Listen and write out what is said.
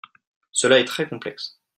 Cela est trés complexe.